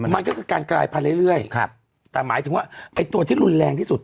มันก็คือการกลายพันธุ์เรื่อยแต่หมายถึงว่าไอ้ตัวที่รุนแรงที่สุด